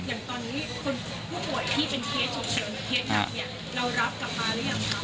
อย่างตอนนี้ผู้ป่วยที่เป็นเคสชมเชิงเรารับกลับมาหรือยังครับ